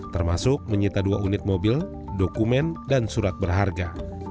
termasuk menyita dua unit mobil dokumen dan surat berharga